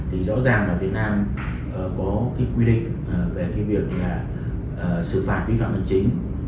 rõ ràng là việt nam có cái quy định về cái việc là xử phạt vi phạm thần chính